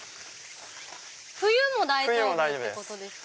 冬も大丈夫ってことですか。